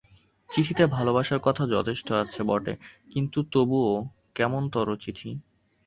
চিঠিতে ভালোবাসার কথা যথেষ্ট আছে বটে, কিন্তু তবু এ কেমনতরো চিঠি!